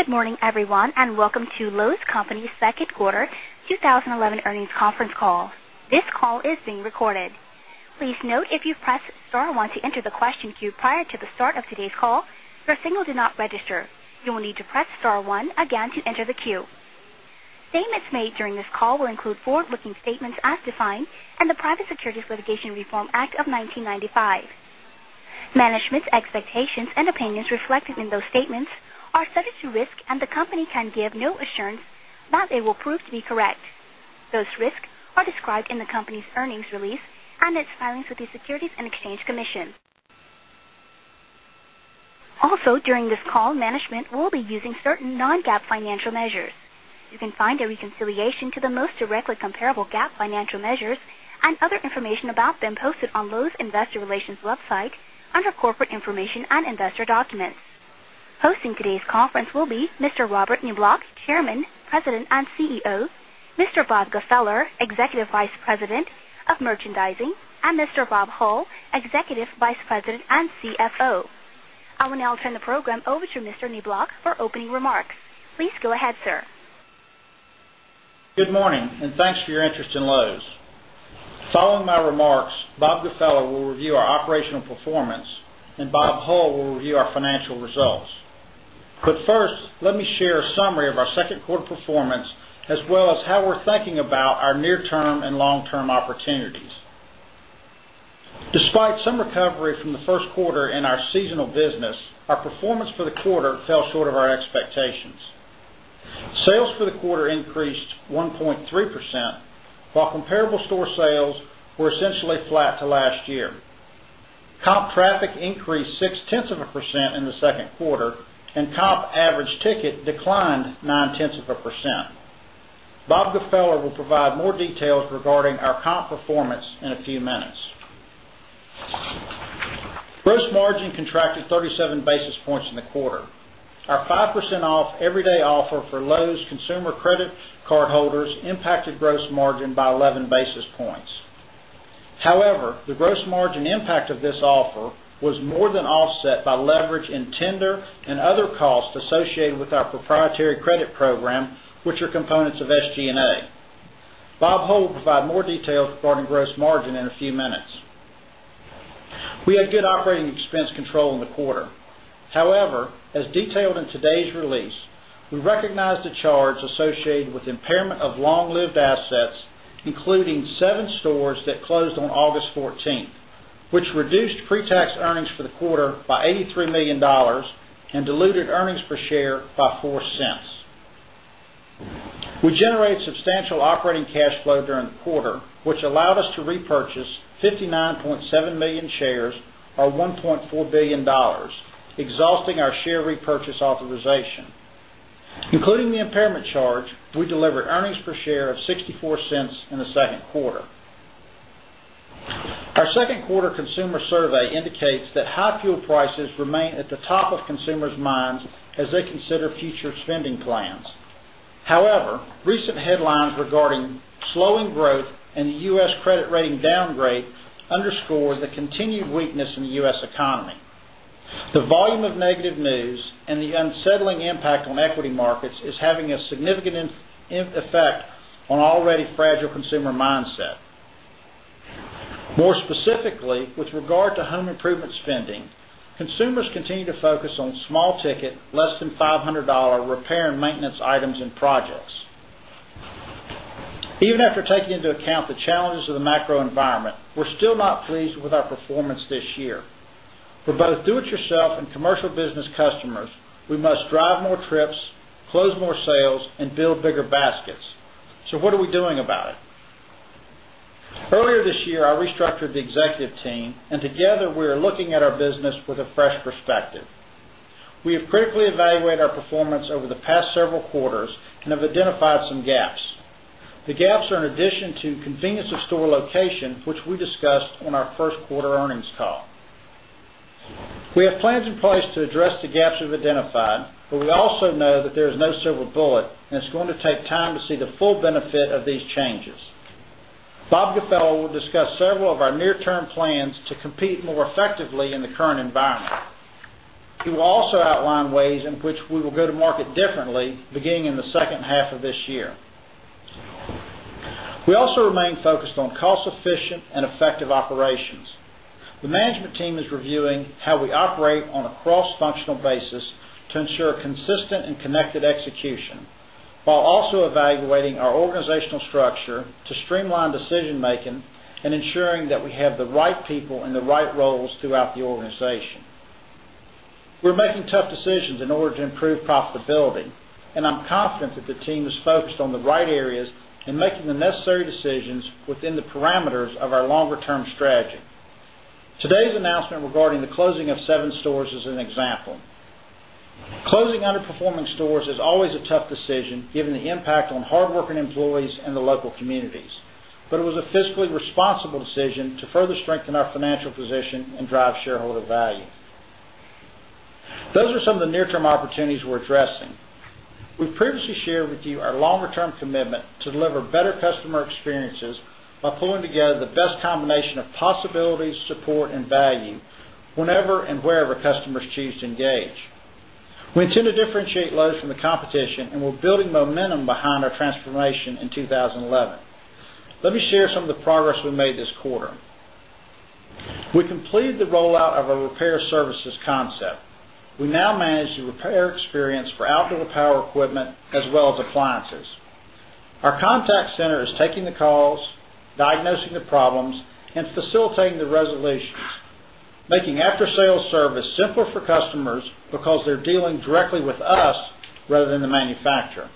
Good morning, everyone, and welcome to Lowe's Companies' Second Quarter 2011 Carnings Conference Call. This call is being recorded. Please note if you've pressed star one to enter the question queue prior to the start of today's call, your signal did not register. You will need to press star one again to enter the queue. Statements made during this call will include forward-looking statements as defined in the Private Securities Litigation Reform Act of 1995. Management's expectations and opinions reflected in those statements are subject to risk, and the company can give no assurance that they will prove to be correct. Those risks are described in the company's earnings release and its filings with the Securities and Exchange Commission. Also, during this call, management will be using certain non-GAAP financial measures. You can find a reconciliation to the most directly comparable GAAP financial measures and other information about them posted on Lowe's Investor Relations website under Corporate Information and Investor Documents. Hosting today's conference will be Mr. Robert Niblock, Chairman, President, and CEO, Mr. Bob Gfeller, Executive Vice President of Merchandising, and Mr. Bob Hull, Executive Vice President and CFO. I will now turn the program over to Mr. Niblock for opening remarks. Please go ahead, sir. Good morning, and thanks for your interest in Lowe's. Following my remarks, Bob Gfeller will review our operational performance, and Bob Hull will review our financial results. First, let me share a summary of our second quarter performance, as well as how we're thinking about our near-term and long-term opportunities. Despite some recovery from the first quarter in our seasonal business, our performance for the quarter fell short of our expectations. Sales for the quarter increased 1.3%, while comparable store sales were essentially flat to last year. Comp traffic increased 0.6% in the second quarter, and comp average ticket declined 0.9%. Bob Gfeller will provide more details regarding our comp performance in a few minutes. Gross margin contracted 37 basis points in the quarter. Our 5% off everyday offer for Lowe's consumer credit card holders impacted gross margin by 11 basis points. However, the gross margin impact of this offer was more than offset by leverage in tender and other costs associated with our proprietary credit program, which are components of SG&A. Bob Hull will provide more details regarding gross margin in a few minutes. We had good operating expense control in the quarter. However, as detailed in today's release, we recognize the charge associated with impairment of long-lived assets, including seven stores that closed on August 14, which reduced pre-tax earnings for the quarter by $83 million and diluted earnings per share by $0.04. We generated substantial operating cash flow during the quarter, which allowed us to repurchase 59.7 million shares, or $1.4 billion, exhausting our share repurchase authorization. Including the impairment charge, we delivered earnings per share of $0.64 in the second quarter. Our second quarter consumer survey indicates that high fuel prices remain at the top of consumers' minds as they consider future spending plans. However, recent headlines regarding slowing growth and the U.S. credit rating downgrade underscore the continued weakness in the U.S. economy. The volume of negative news and the unsettling impact on equity markets is having a significant effect on an already fragile consumer mindset. More specifically, with regard to home improvement spending, consumers continue to focus on small ticket, less than $500 repair and maintenance items and projects. Even after taking into account the challenges of the macro environment, we're still not pleased with our performance this year. For both do-it-yourself and commercial business customers, we must drive more trips, close more sales, and fill bigger baskets. What are we doing about it? Earlier this year, I restructured the executive team, and together we are looking at our business with a fresh perspective. We have critically evaluated our performance over the past several quarters and have identified some gaps. The gaps are in addition to convenience of store location, which we discussed on our first quarter earnings call. We have plans in place to address the gaps we've identified, but we also know that there is no silver bullet, and it's going to take time to see the full benefit of these changes. Bob Gfeller will discuss several of our near-term plans to compete more effectively in the current environment. He will also outline ways in which we will go to market differently beginning in the second half of this year. We also remain focused on cost-efficient and effective operations. The management team is reviewing how we operate on a cross-functional basis to ensure consistent and connected execution, while also evaluating our organizational structure to streamline decision-making and ensuring that we have the right people in the right roles throughout the organization. We're making tough decisions in order to improve profitability, and I'm confident that the team is focused on the right areas and making the necessary decisions within the parameters of our longer-term strategy. Today's announcement regarding the closing of seven stores is an example. Closing underperforming stores is always a tough decision given the impact on hardworking employees and the local communities, but it was a fiscally responsible decision to further strengthen our financial position and drive shareholder value. Those are some of the near-term opportunities we're addressing. We've previously shared with you our longer-term commitment to deliver better customer experiences by pulling together the best combination of possibilities, support, and value whenever and wherever customers choose to engage. We intend to differentiate Lowe's from the competition, and we're building momentum behind our transformation in 2011. Let me share some of the progress we made this quarter. We completed the rollout of a repair services concept. We now manage the repair experience for outdoor power equipment as well as appliances. Our contact center is taking the calls, diagnosing the problems, and facilitating the resolutions, making after-sales service simpler for customers because they're dealing directly with us rather than the manufacturer.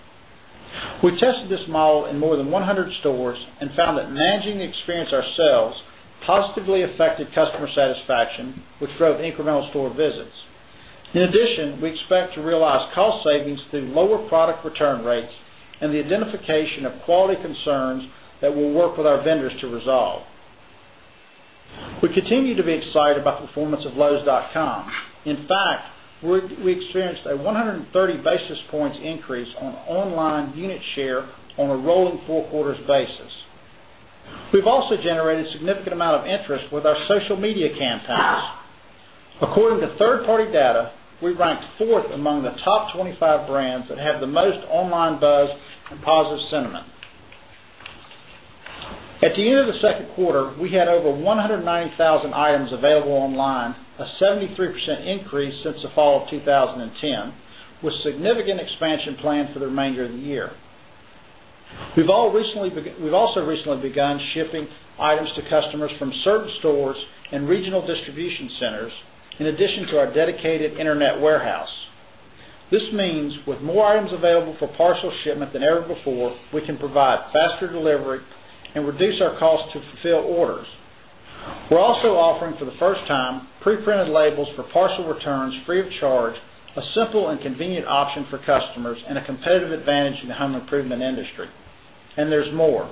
We tested this model in more than 100 stores and found that managing the experience ourselves positively affected customer satisfaction, which drove incremental store visits. In addition, we expect to realize cost savings through lower product return rates and the identification of quality concerns that we'll work with our vendors to resolve. We continue to be excited about the performance of Lowes.com. In fact, we experienced a 130 basis points increase on online unit share on a rolling four-quarters basis. We've also generated a significant amount of interest with our social media campaigns. According to third-party data, we ranked fourth among the top 25 brands that have the most online buzz and positive sentiment. At the end of the second quarter, we had over 190,000 items available online, a 73% increase since the fall of 2010, with significant expansion plans for the remainder of the year. We've also recently begun shipping items to customers from certain stores and regional distribution centers, in addition to our dedicated internet warehouse. This means with more items available for partial shipment than ever before, we can provide faster delivery and reduce our cost to fulfill orders. We're also offering for the first time pre-printed labels for partial returns free of charge, a simple and convenient option for customers, and a competitive advantage in the home improvement industry. There is more.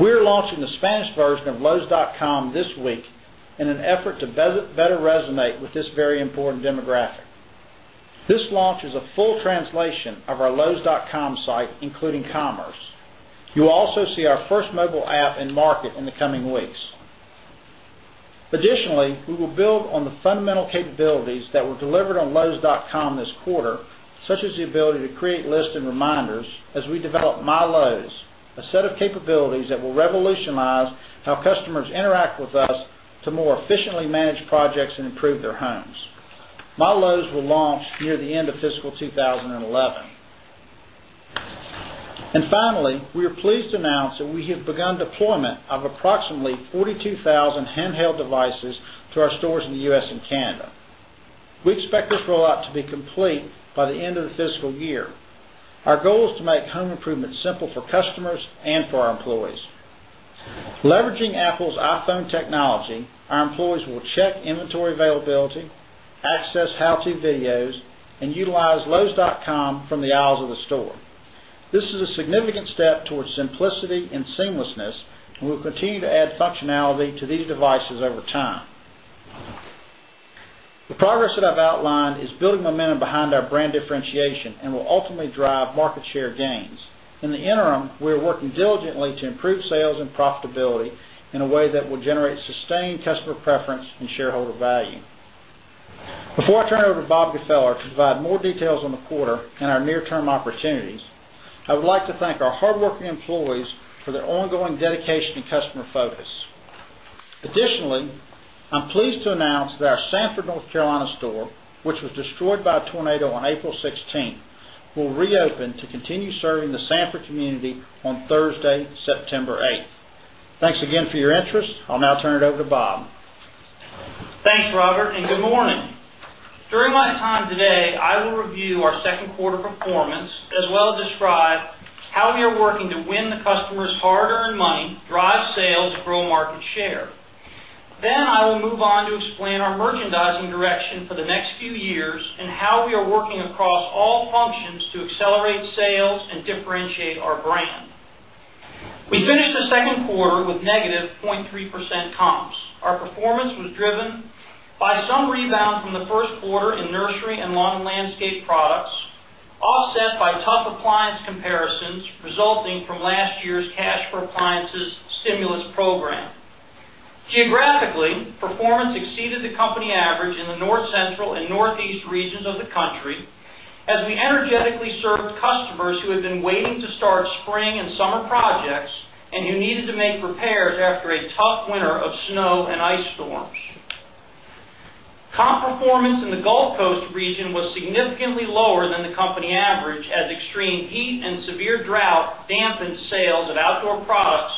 We are launching the Spanish-language site for lowes.com this week in an effort to better resonate with this very important demographic. This launch is a full translation of our lowes.com site, including commerce. You will also see our first mobile app in market in the coming weeks. Additionally, we will build on the fundamental capabilities that were delivered on lowes.com this quarter, such as the ability to create lists and reminders as we develop MyLowe's, a set of capabilities that will revolutionize how customers interact with us to more efficiently manage projects and improve their homes. MyLowe's will launch near the end of fiscal 2011. Finally, we are pleased to announce that we have begun deployment of approximately 42,000 handheld devices to our stores in the U.S. and Canada. We expect this rollout to be complete by the end of the fiscal year. Our goal is to make home improvements simple for customers and for our employees. Leveraging Apple's iPhone technology, our employees will check inventory availability, access how-to videos, and utilize Lowes.com from the aisles of the store. This is a significant step towards simplicity and seamlessness, and we will continue to add functionality to these devices over time. The progress that I've outlined is building momentum behind our brand differentiation and will ultimately drive market share gains. In the interim, we are working diligently to improve sales and profitability in a way that will generate sustained customer preference and shareholder value. Before I turn it over to Bob Gfeller to provide more details on the quarter and our near-term opportunities, I would like to thank our hardworking employees for their ongoing dedication and customer focus. Additionally, I'm pleased to announce that our Sanford, North Carolina store, which was destroyed by a tornado on April 16, will reopen to continue serving the Sanford community on Thursday, September 8th. Thanks again for your interest. I'll now turn it over to Bob. Thanks, Robert, and good morning. During my time today, I will review our second quarter performance as well as describe how we are working to win the customers' hard-earned money, drive sales, and grow market share. I will move on to explain our merchandising direction for the next few years and how we are working across all functions to accelerate sales and differentiate our brand. We finished the second quarter with -0.3% comps. Our performance was driven by some rebound from the first quarter in nursery and lawn and landscape products, offset by tough appliance comparisons resulting from last year's Cash for Appliances stimulus program. Geographically, performance exceeded the company average in the North Central and Northeast regions of the country as we energetically served customers who had been waiting to start spring and summer projects and who needed to make repairs after a tough winter of snow and ice storms. Comp performance in the Gulf Coast region was significantly lower than the company average as extreme heat and severe drought dampened sales of outdoor products,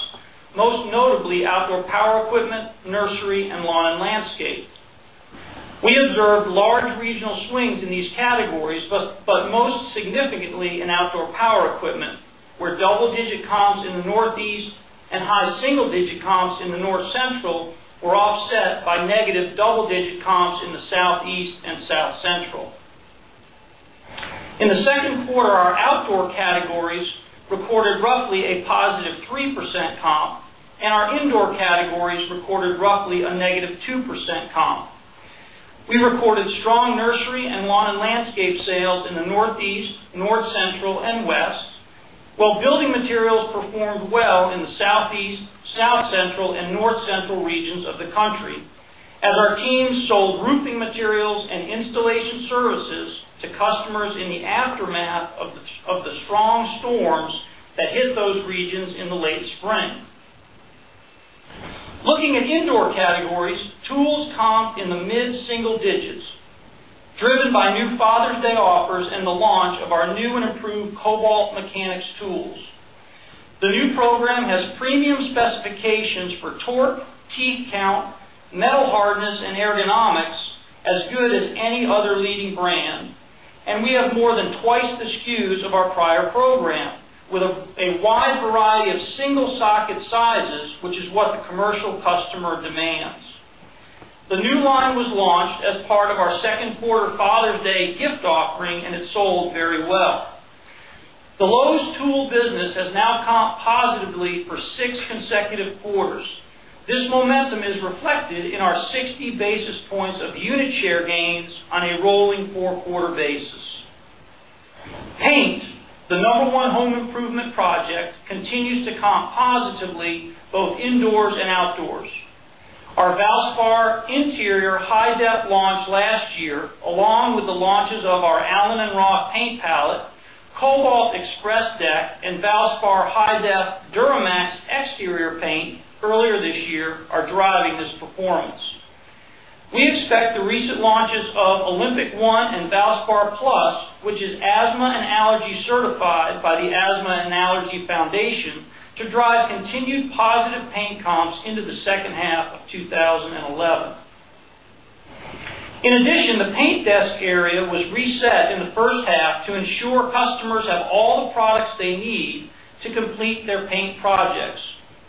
most notably outdoor power equipment, nursery, and lawn and landscape. We observed large regional swings in these categories, but most significantly in outdoor power equipment, where double-digit comps in the northeast and high single-digit comps in the north-central were offset by negative double-digit comps in the southeast and south-central. In the second quarter, our outdoor categories recorded roughly a +3% comp, and our indoor categories recorded roughly a -2% comp. We recorded strong nursery and lawn and landscape sales in the Northeast, North Central, and west, while building materials performed well in the Southeast, Soutt Central, and North Central regions of the country as our team sold roofing materials and installation services to customers in the aftermath of the strong storms that hit those regions in the late spring. Looking at indoor categories, tools comped in the mid-single digits, driven by new Father's Day offers and the launch of our new and improved Kobalt mechanics tools. The new program has premium specifications for torque, teeth count, metal hardness, and ergonomics as good as any other leading brand, and we have more than twice the SKUs of our prior program with a wide variety of single socket sizes, which is what the commercial customer demands. The new line was launched as part of our second quarter Father's Day gift offering, and it sold very well. The Lowe's tool business has now comped positively for six consecutive quarters. This momentum is reflected in our 60 basis points of unit share gains on a rolling four-quarter basis. Paint, the number one home improvement project, continues to comp positively both indoors and outdoors. Our Valspar interior high-def launch last year, along with the launches of our Allen and Roth paint palette, Cobalt Express Deck, and Valspar high-def Duramax exterior paint earlier this year, are driving this performance. We expect the recent launches of Olympic One and Valspar Plus, which is asthma and allergy certified by the Asthma and Allergy Foundation, to drive continued positive paint comps into the second half of 2011. In addition, the paint desk area was reset in the first half to ensure customers have all the products they need to complete their paint projects,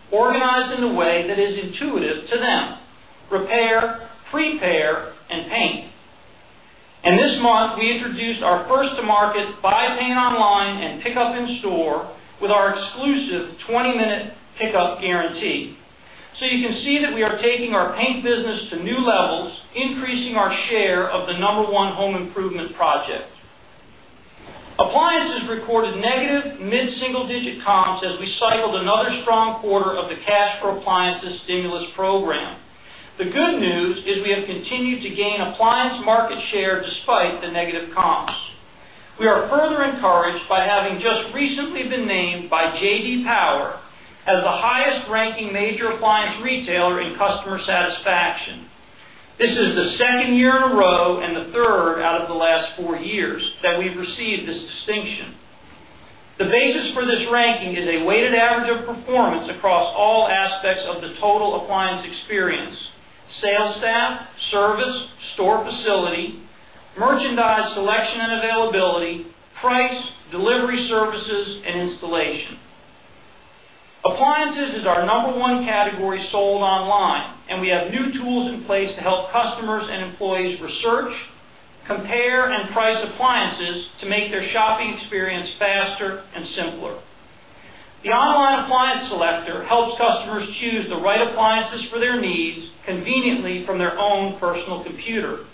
organized in the way that is intuitive to them: repair, pre-pair, and paint. This month, we introduced our first-to-market buy paint online and pick up in store with our exclusive 20-minute pickup guarantee. You can see that we are taking our paint business to new levels, increasing our share of the number one home improvement project. Appliances recorded negative mid-single-digit comps as we cycled another strong quarter of the Cash for Appliances stimulus program. The good news is we have continued to gain appliance market share despite the negative comps. We are further encouraged by having just recently been named by J.D. Power as the highest-ranking major appliance retailer in customer satisfaction. This is the second year in a row and the third out of the last four years that we've received this distinction. The basis for this ranking is a weighted average of performance across all aspects of the total appliance experience: sales staff, service, store facility, merchandise selection and availability, price, delivery services, and installation. Appliances is our number one category sold online, and we have new tools in place to help customers and employees research, compare, and price appliances to make their shopping experience faster and simpler. The online appliance selector helps customers choose the right appliances for their needs conveniently from their own personal computer.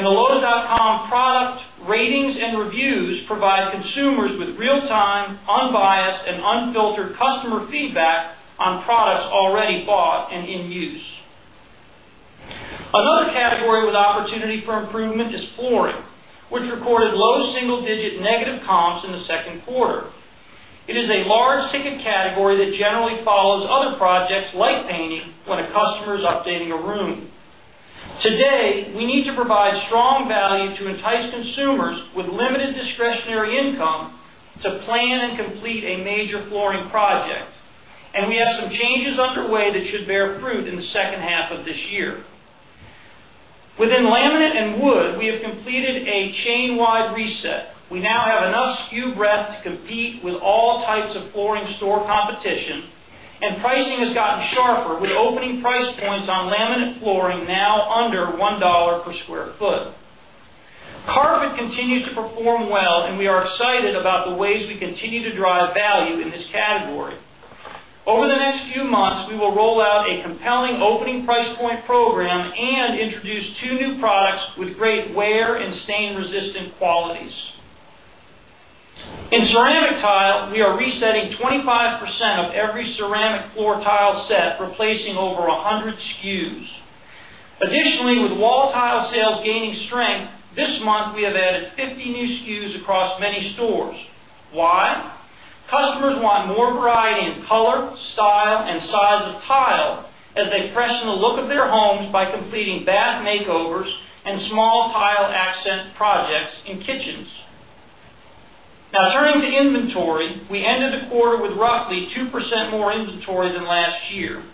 The Lowe's outcome product ratings and reviews provide consumers with real-time, unbiased, and unfiltered customer feedback on products already bought and in use. Another category with opportunity for improvement is flooring, which recorded low single-digit negative comps in the second quarter. It is a large ticket category that generally follows other projects like painting when a customer is updating a room. Today, we need to provide strong value to entice consumers with limited discretionary income to plan and complete a major flooring project, and we have some changes underway that should bear fruit in the second half of this year. Within laminate and wood, we have completed a chain-wide reset. We now have enough SKU breadth to compete with all types of flooring store competition, and pricing has gotten sharper with opening price points on laminate flooring now under $1 per square foot. Carpet continues to perform well, and we are excited about the ways we continue to drive value in this category. Over the next few months, we will roll out a compelling opening price point program and introduce two new products with great wear and stain-resistant qualities. In ceramic tile, we are resetting 25% of every ceramic floor tile set, replacing over 100 SKUs. Additionally, with wall tile sales gaining strength, this month we have added 50 new SKUs across many stores. Why? Customers want more variety in color, style, and size of tile as they freshen the look of their homes by completing bath makeovers and small tile accent projects in kitchens. Now turning to inventory, we ended the quarter with roughly 2% more inventory than last year.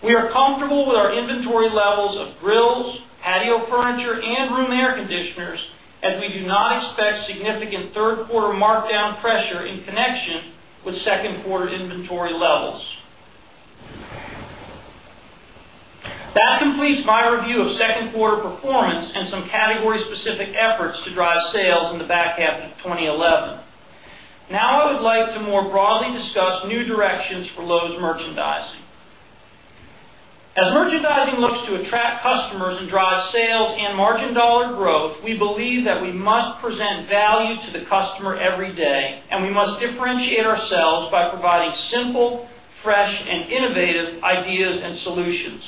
We are comfortable with our inventory levels of grills, patio furniture, and room air conditioners as we do not expect significant third-quarter markdown pressure in connection with second-quarter inventory levels. That completes my review of second-quarter performance and some category-specific efforts to drive sales in the back half of 2011. Now I would like to more broadly discuss new directions for Lowe's merchandising. As merchandising looks to attract customers and drive sales and margin dollar growth, we believe that we must present value to the customer every day, and we must differentiate ourselves by providing simple, fresh, and innovative ideas and solutions.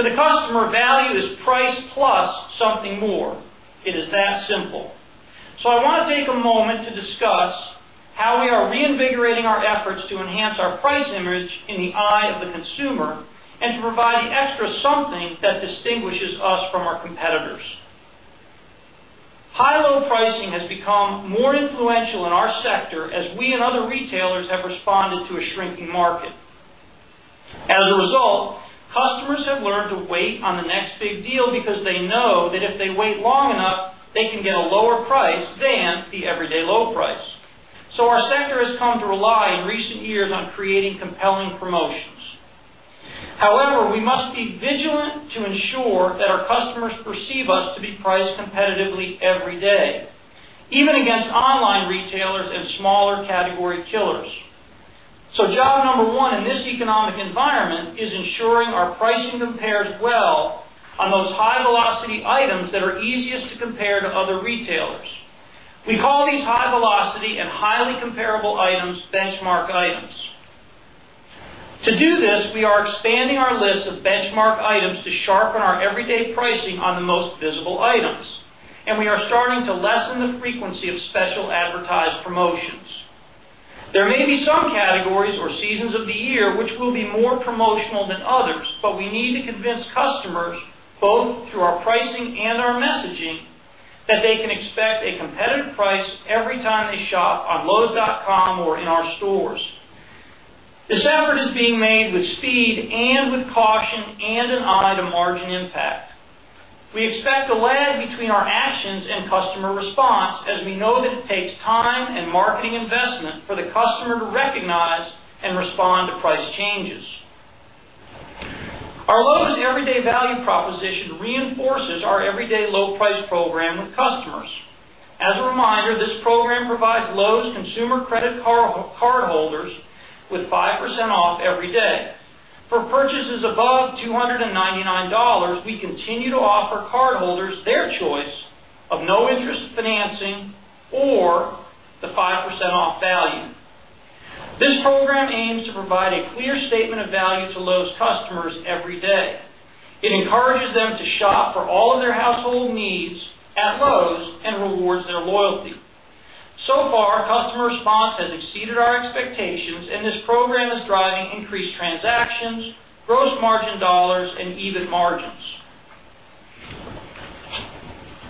To the customer, value is price plus something more. It is that simple. I want to take a moment to discuss how we are reinvigorating our efforts to enhance our price image in the eye of the consumer and to provide the extra something that distinguishes us from our competitors. High low pricing has become more influential in our sector as we and other retailers have responded to a shrinking market. As a result, customers have learned to wait on the next big deal because they know that if they wait long enough, they can get a lower price than the everyday low price. Our sector has come to rely in recent years on creating compelling promotions. However, we must be vigilant to ensure that our customers perceive us to be priced competitively every day, even against online retailers and smaller category killers. Job number one in this economic environment is ensuring our pricing compares well on those high-velocity items that are easiest to compare to other retailers. We call these high-velocity and highly comparable items benchmark items. To do this, we are expanding our list of benchmark items to sharpen our everyday pricing on the most visible items, and we are starting to lessen the frequency of special advertised promotions. There may be some categories or seasons of the year which will be more promotional than others, but we need to convince customers both through our pricing and our messaging that they can expect a competitive price every time they shop on lowes.com or in our stores. This effort is being made with speed and with caution and an eye to margin impact. We expect a lag between our actions and customer response as we know that it takes time and marketing investment for the customer to recognize and respond to price changes. Our Lowe's everyday value proposition reinforces our everyday low price program with customers. As a reminder, this program provides Lowe's consumer credit card holders with 5% off every day. For purchases above $299, we continue to offer card holders their choice of no interest financing or the 5% off value. This program aims to provide a clear statement of value to Lowe's customers every day. It encourages them to shop for all of their household needs at Lowe's and rewards their loyalty. So far, customer response has exceeded our expectations, and this program is driving increased transactions, gross margin dollars, and EBIT margins.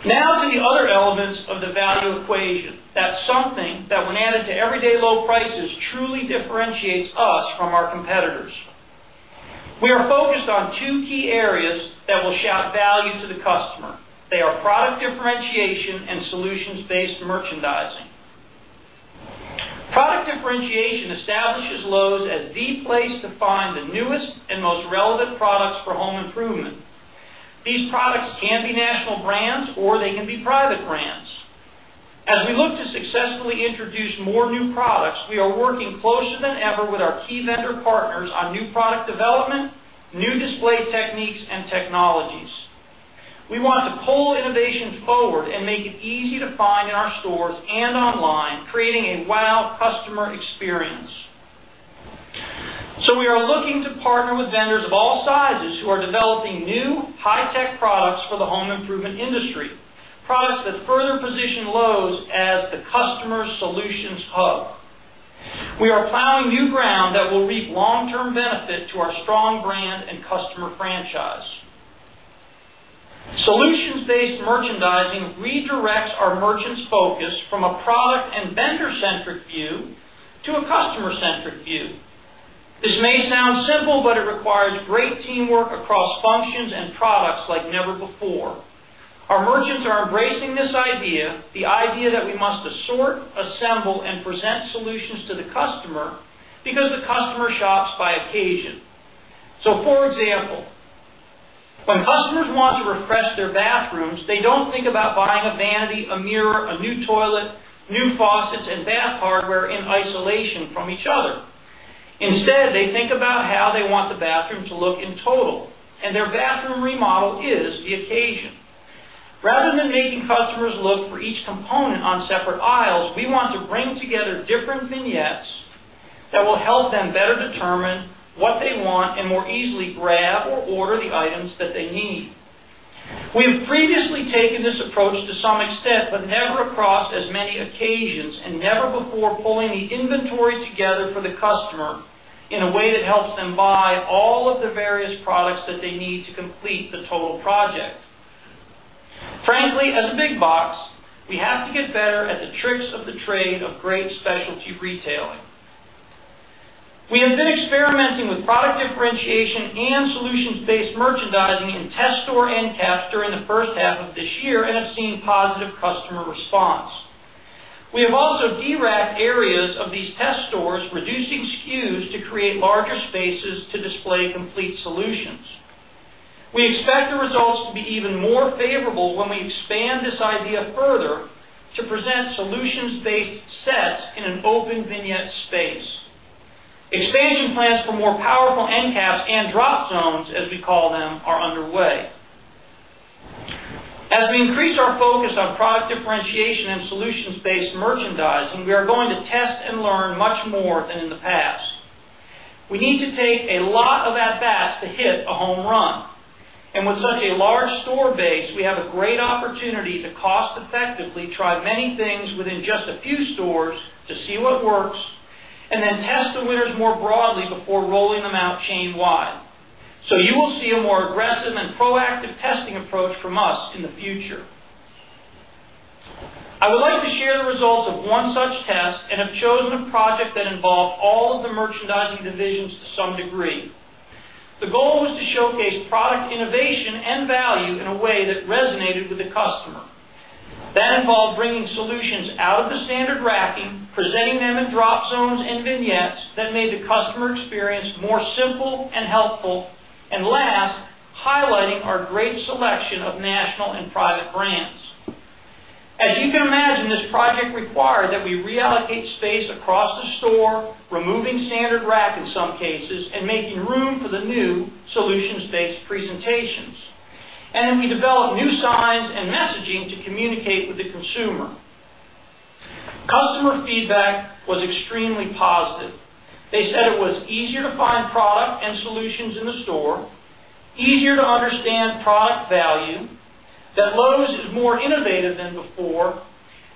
Now to the other elements of the value equation. That's something that, when added to everyday low prices, truly differentiates us from our competitors. We are focused on two key areas that will shout value to the customer. They are product differentiation and solutions-based merchandising. Product differentiation establishes Lowe's as the place to find the newest and most relevant products for home improvement. These products can be national brands, or they can be private brands. As we look to successfully introduce more new products, we are working closer than ever with our key vendor partners on new product development, new display techniques, and technologies. We want to pull innovations forward and make it easy to find in our stores and online, creating a wow customer experience. We are looking to partner with vendors of all sizes who are developing new high-tech products for the home improvement industry, products that further position Lowe's as the customer's solutions hub. We are plowing new ground that will reap long-term benefit to our strong brand and customer franchise. Solutions-based merchandising redirects our merchants' focus from a product and vendor-centric view to a customer-centric view. This may sound simple, but it requires great teamwork across functions and products like never before. Our merchants are embracing this idea, the idea that we must assort, assemble, and present solutions to the customer because the customer shops by occasion. For example, when customers want to refresh their bathrooms, they don't think about buying a vanity, a mirror, a new toilet, new faucets, and bath hardware in isolation from each other. Instead, they think about how they want the bathroom to look in total, and their bathroom remodel is the occasion. Rather than making customers look for each component on separate aisles, we want to bring together different vignettes that will help them better determine what they want and more easily grab or order the items that they need. We have previously taken this approach to some extent, but never across as many occasions and never before pulling the inventory together for the customer in a way that helps them buy all of the various products that they need to complete the total project. Frankly, as a big box, we have to get better at the tricks of the trade of great specialty retailing. We have been experimenting with product differentiation and solutions-based merchandising in test store end caps during the first half of this year and have seen positive customer response. We have also derapped areas of these test stores, reducing SKUs to create larger spaces to display complete solutions. We expect the results to be even more favorable when we expand this idea further to present solutions-based sets in an open vignette space. Expansion plans for more powerful end caps and drop zones, as we call them, are underway. As we increase our focus on product differentiation and solutions-based merchandising, we are going to test and learn much more than in the past. We need to take a lot of at-bats to hit a home run. With such a large store base, we have a great opportunity to cost-effectively try many things within just a few stores to see what works and then test the winners more broadly before rolling them out chain-wide. You will see a more aggressive and proactive testing approach from us in the future. I would like to share the results of one such test and have chosen a project that involved all of the merchandising divisions to some degree. The goal was to showcase product innovation and value in a way that resonated with the customer. That involved bringing solutions out of the standard racking, presenting them in drop zones and vignettes that made the customer experience more simple and helpful, and last, highlighting our great selection of national and private brands. As you can imagine, this project required that we reallocate space across the store, removing standard rack in some cases and making room for the new solutions-based presentations. We developed new signs and messaging to communicate with the consumer. Customer feedback was extremely positive. They said it was easier to find product and solutions in the store, easier to understand product value, that Lowe's is more innovative than before,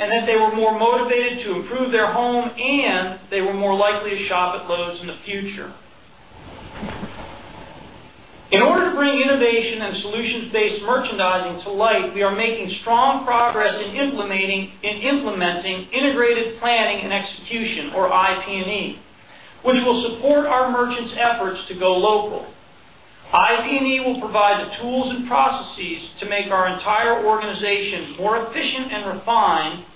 and that they were more motivated to improve their home, and they were more likely to shop at Lowe's in the future. In order to bring innovation and solutions-based merchandising to light, we are making strong progress in implementing Integrated Planning and Execution, or IP&E, which will support our merchants' efforts to go local. IP&E will provide the tools and processes to make our entire organization more efficient and refined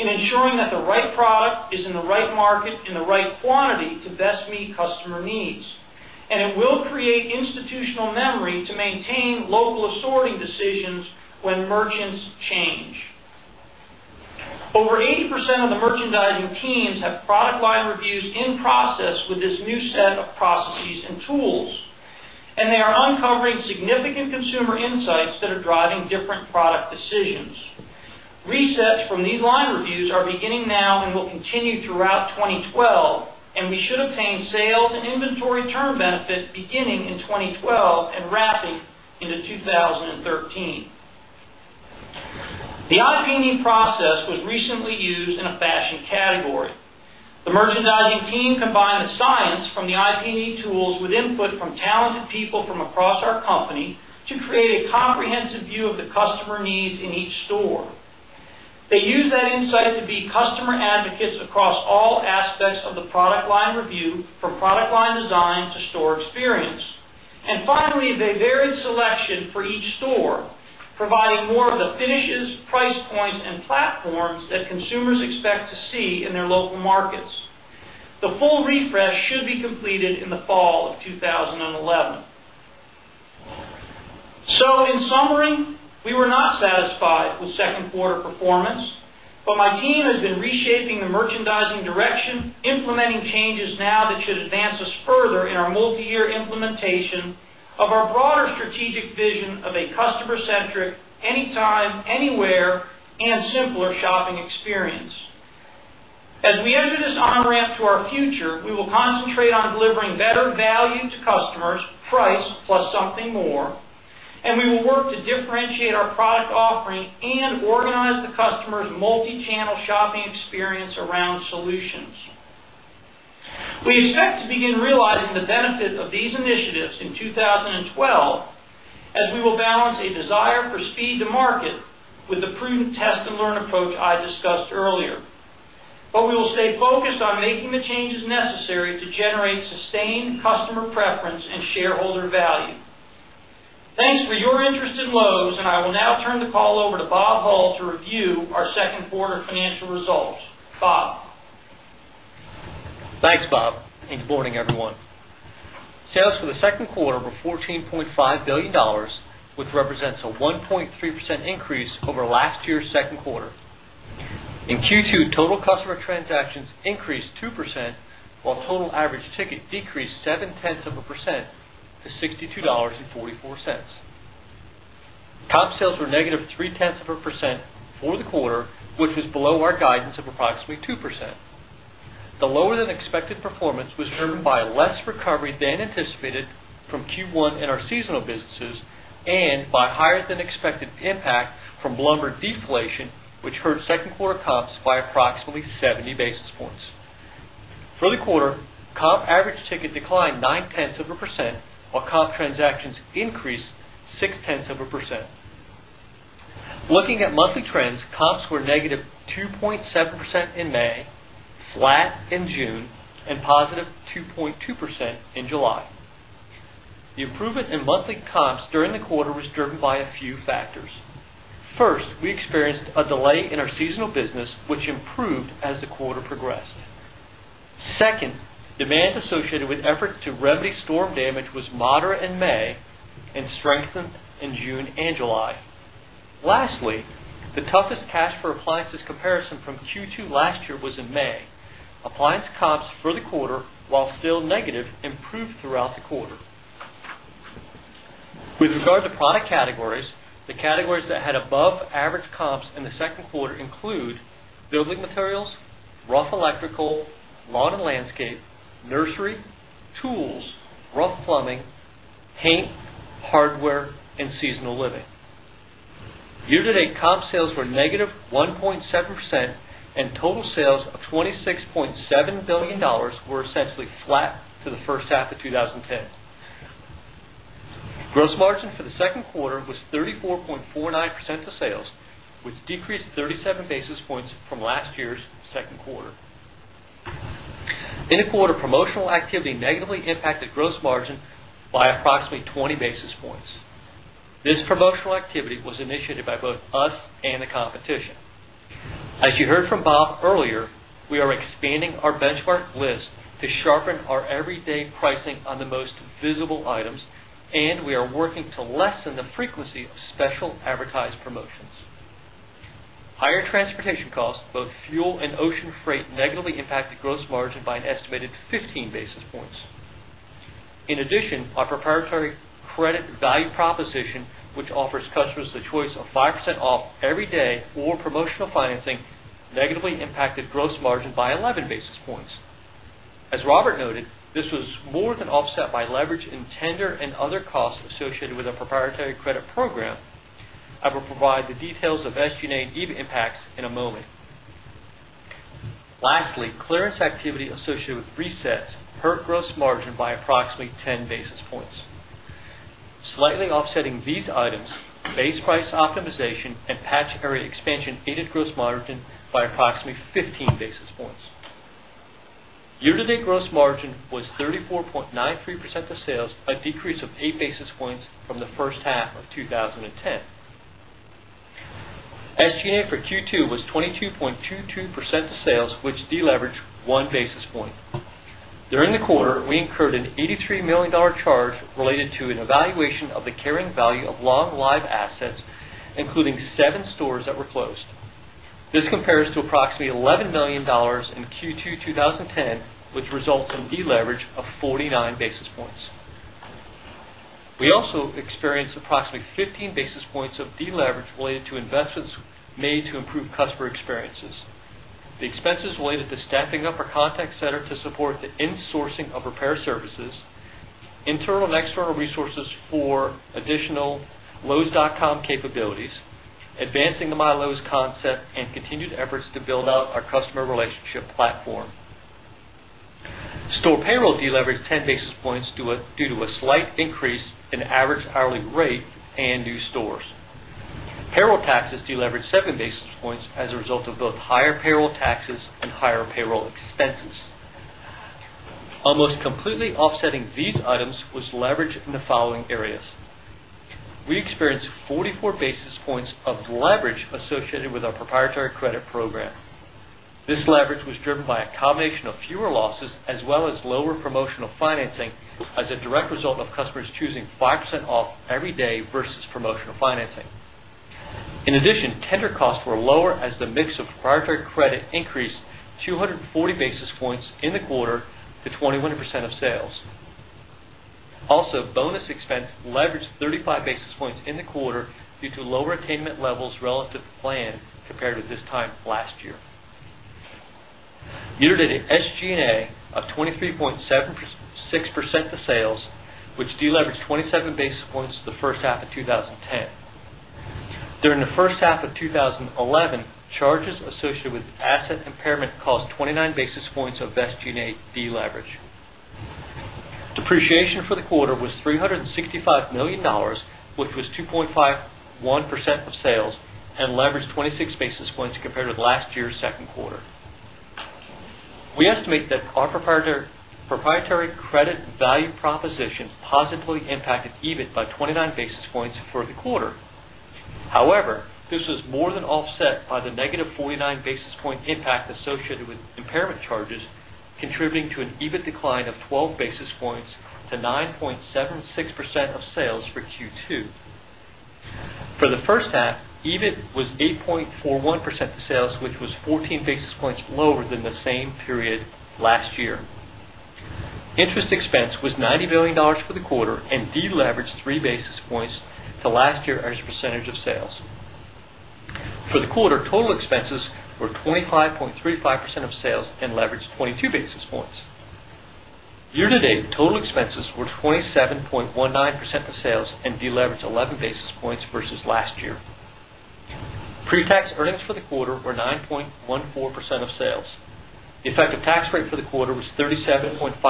in ensuring that the right product is in the right market in the right quantity to best meet customer needs. It will create institutional memory to maintain local assorting decisions when merchants change. Over 80% of the merchandising teams have product line reviews in process with this new set of processes and tools, and they are uncovering significant consumer insights that are driving different product decisions. Resets from these line reviews are beginning now and will continue throughout 2012, and we should obtain sales and inventory turn benefit beginning in 2012 and wrapping into 2013. The IP&E process was recently used in a fashion category. The merchandising team combined the science from the IP&E tools with input from talented people from across our company to create a comprehensive view of the customer needs in each store. They use that insight to be customer advocates across all aspects of the product line review, from product line design to store experience. They varied selection for each store, providing more of the finishes, price points, and platforms that consumers expect to see in their local markets. The full refresh should be completed in the fall of 2011. In summary, we were not satisfied with second-quarter performance, but my team has been reshaping the merchandising direction, implementing changes now that should advance us further in our multi-year implementation of our broader strategic vision of a customer-centric, anytime, anywhere, and simpler shopping experience. As we enter this on-ramp to our future, we will concentrate on delivering better value to customers, price plus something more, and we will work to differentiate our product offering and organize the customer's multi-channel shopping experience around solutions. We expect to begin realizing the benefit of these initiatives in 2012, as we will balance a desire for speed to market with the prudent test and learn approach I discussed earlier. We will stay focused on making the changes necessary to generate sustained customer preference and shareholder value. Thanks for your interest in Lowe's, and I will now turn the call over to Bob Hull to review our second quarter financial results. Bob. Thanks, Bob, and good morning, everyone. Sales for the second quarter were $14.5 billion, which represents a 1.3% increase over last year's second quarter. In Q2, total customer transactions increased 2%, while total average ticket decreased 0.7% to $62.44. Top sales were -0.3% for the quarter, which was below our guidance of approximately 2%. The lower-than-expected performance was driven by less recovery than anticipated from Q1 in our seasonal businesses and by higher-than-expected impact from lumber deflation, which hurt second-quarter comps by approximately 70 basis points. For the quarter, comp average ticket declined 0.9%, while comp transactions increased 0.6%. Looking at monthly trends, comps were -2.7% in May, flat in June, and +2.2% in July. The improvement in monthly comps during the quarter was driven by a few factors. First, we experienced a delay in our seasonal business, which improved as the quarter progressed. Second, demand associated with efforts to remedy storm damage was moderate in May and strengthened in June and July. Lastly, the toughest Cash for Appliances comparison from Q2 last year was in May. Appliance comps for the quarter, while still negative, improved throughout the quarter. With regard to product categories, the categories that had above-average comps in the second quarter include building materials, rough electrical, lawn and landscape, nursery, tools, rough plumbing, paint, hardware, and seasonal living. Year-to-date comp sales were -1.7%, and total sales of $26.7 billion were essentially flat to the first half of 2010. Gross margin for the second quarter was 34.49% of sales, which decreased 37 basis points from last year's second quarter. In the quarter, promotional activity negatively impacted gross margin by approximately 20 basis points. This promotional activity was initiated by both us and the competition. As you heard from Bob earlier, we are expanding our benchmark list to sharpen our everyday pricing on the most visible items, and we are working to lessen the frequency of special advertised promotions. Higher transportation costs, both fuel and ocean freight, negatively impacted gross margin by an estimated 15 basis points. In addition, our proprietary credit value proposition, which offers customers the choice of 5% off every day or promotional financing, negatively impacted gross margin by 11 basis points. As Robert noted, this was more than offset by leverage in tender and other costs associated with our proprietary credit program. I will provide the details of SG&A and EBIT impacts in a moment. Lastly, clearance activity associated with resets hurt gross margin by approximately 10 basis points. Slightly offsetting these items, base price optimization and patch area expansion aided gross margin by approximately 15 basis points. Year-to-date gross margin was 34.93% of sales, a decrease of 8 basis points from the first half of 2010. SG&A for Q2 was 22.22% of sales, which deleveraged 1 basis point. During the quarter, we incurred an $83 million charge related to an evaluation of the carrying value of long-lived assets, including seven stores that were closed. This compares to approximately $11 million in Q2 2010, which results in a deleverage of 49 basis points. We also experienced approximately 15 basis points of deleverage related to investments made to improve customer experiences. The expenses related to staffing up our contact center to support the insourcing of repair services, internal and external resources for additional lowes.com capabilities, advancing the MyLowe's concept, and continued efforts to build out our customer relationship platform. Store payroll deleveraged 10 basis points due to a slight increase in average hourly rate and new stores. Payroll taxes deleveraged 7 basis points as a result of both higher payroll taxes and higher payroll expenses. Almost completely offsetting these items was leverage in the following areas. We experienced 44 basis points of leverage associated with our proprietary credit program. This leverage was driven by a combination of fewer losses as well as lower promotional financing as a direct result of customers choosing 5% off every day versus promotional financing. In addition, tender costs were lower as the mix of proprietary credit increased 240 basis points in the quarter to 21% of sales. Also, bonus expense leveraged 35 basis points in the quarter due to lower attainment levels relative to plan compared with this time last year. Year-to-date SG&A of 23.76% of sales, which deleveraged 27 basis points in the first half of 2010. During the first half of 2011, charges associated with asset impairment caused 29 basis points of SG&A deleverage. Depreciation for the quarter was $365 million, which was 2.51% of sales and leveraged 26 basis points compared with last year's second quarter. We estimate that our proprietary credit value proposition positively impacted EBIT by 29 basis points for the quarter. However, this was more than offset by the -49 basis point impact associated with impairment charges, contributing to an EBIT decline of 12 basis points to 9.76% of sales for Q2. For the first half, EBIT was 8.41% of sales, which was 14 basis points lower than the same period last year. Interest expense was $90 million for the quarter and deleveraged 3 basis points to last year as a percentage of sales. For the quarter, total expenses were 25.35% of sales and leveraged 22 basis points. Year-to-date total expenses were 27.19% of sales and deleveraged 11 basis points versus last year. Pre-tax earnings for the quarter were 9.14% of sales. The effective tax rate for the quarter was 37.5%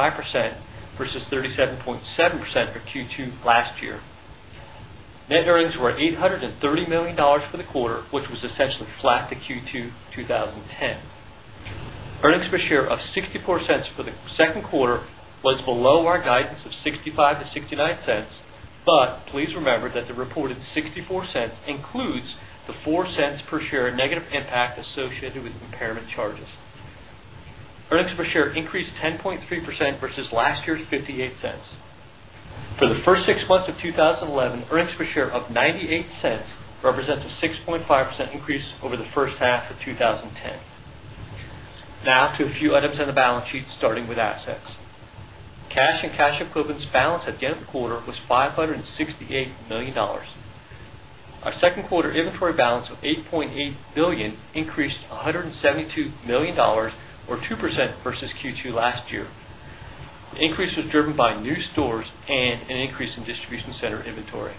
versus 37.7% for Q2 last year. Net earnings were $830 million for the quarter, which was essentially flat to Q2 2010. Earnings per share of $0.64 for the second quarter was below our guidance of $0.65-$0.69, but please remember that the reported $0.64 includes the $0.04 per share negative impact associated with impairment charges. Earnings per share increased 10.3% versus last year's $0.58. For the first six months of 2011, earnings per share of $0.98 represents a 6.5% increase over the first half of 2010. Now to a few items on the balance sheet, starting with assets. Cash and cash equivalents balance at the end of the quarter was $568 million. Our second quarter inventory balance of $8.8 billion increased $172 million, or 2% versus Q2 last year. The increase was driven by new stores and an increase in distribution center inventory.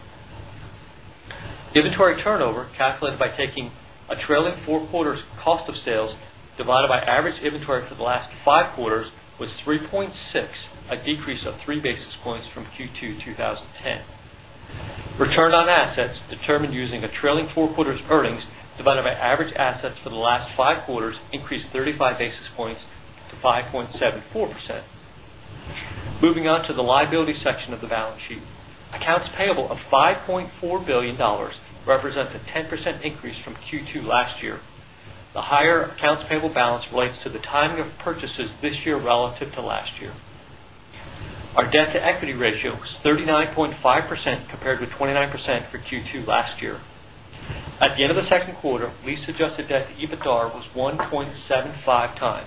Inventory turnover, calculated by taking a trailing four quarters cost of sales divided by average inventory for the last five quarters, was 3.6, a decrease of 3 basis points from Q2 2010. Return on assets, determined using a trailing four quarters earnings divided by average assets for the last five quarters, increased 35 basis points to 5.74%. Moving on to the liability section of the balance sheet, accounts payable of $5.4 billion represents a 10% increase from Q2 last year. The higher accounts payable balance relates to the timing of purchases this year relative to last year. Our debt-to-equity ratio was 39.5% compared with 29% for Q2 last year. At the end of the second quarter, lease-adjusted debt to EBITDA was 1.75x.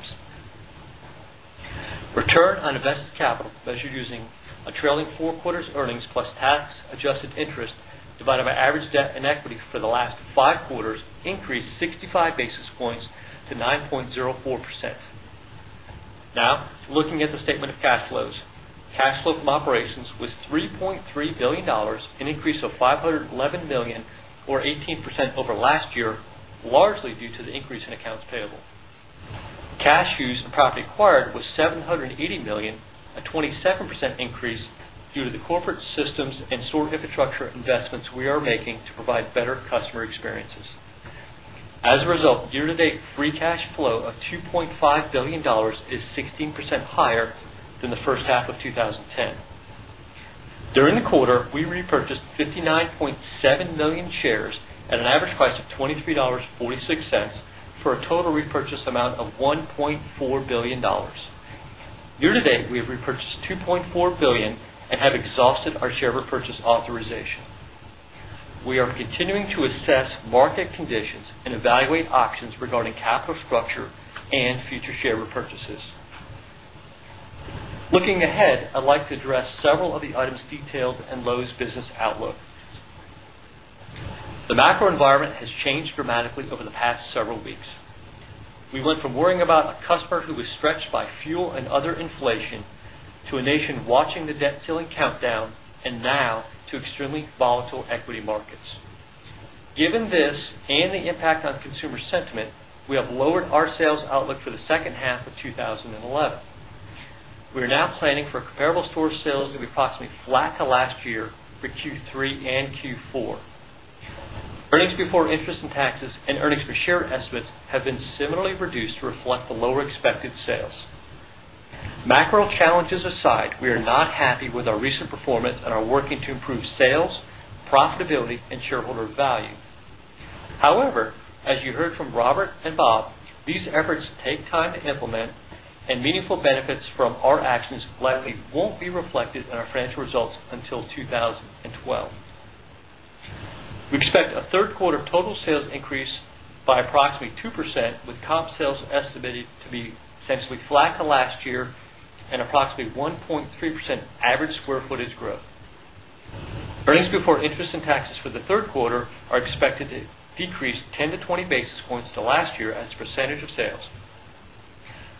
Return on invested capital, measured using a trailing four quarters earnings plus tax-adjusted interest divided by average debt and equity for the last five quarters, increased 65 basis points to 9.04%. Now, looking at the statement of cash flows, cash flow from operations was $3.3 billion, an increase of $511 million, or 18% over last year, largely due to the increase in accounts payable. Cash used in property acquired was $780 million, a 27% increase due to the corporate systems and store infrastructure investments we are making to provide better customer experiences. As a result, year-to-date free cash flow of $2.5 billion is 16% higher than the first half of 2010. During the quarter, we repurchased 59.7 million shares at an average price of $23.46 for a total repurchase amount of $1.4 billion. Year-to-date, we have repurchased $2.4 billion and have exhausted our share repurchase authorization. We are continuing to assess market conditions and evaluate options regarding capital structure and future share repurchases. Looking ahead, I'd like to address several of the items detailed in Lowe's business outlook. The macro environment has changed dramatically over the past several weeks. We went from worrying about a customer who was stretched by fuel and other inflation to a nation watching the debt ceiling countdown and now to extremely volatile equity markets. Given this and the impact on consumer sentiment, we have lowered our sales outlook for the second half of 2011. We are now planning for a comparable store sale to be approximately flat to last year for Q3 and Q4. Earnings before interest and taxes and earnings per share estimates have been similarly reduced to reflect the lower expected sales. Macro challenges aside, we are not happy with our recent performance and are working to improve sales, profitability, and shareholder value. However, as you heard from Robert and Bob, these efforts take time to implement, and meaningful benefits from our actions likely won't be reflected in our financial results until 2012. We expect a third quarter total sales increase by approximately 2%, with comp sales estimated to be essentially flat to last year and approximately 1.3% average square footage growth. Earnings before interest and taxes for the third quarter are expected to decrease 10 to 20 basis points to last year as a percentage of sales.